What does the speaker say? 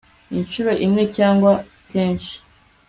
incuro imwe cyangwa kenshi